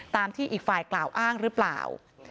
ตามที่อีกฝ่ายกล่าวอ้างหรือเปล่า